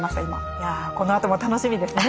いやこのあとも楽しみですね